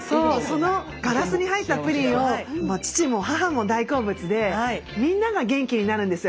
そのガラスに入ったプリンを父も母も大好物でみんなが元気になるんですよ。